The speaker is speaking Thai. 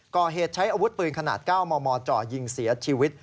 ก่อเหตุใช้อาวุธปืนขนาด๙มมจ่อยิงเสียชีวิต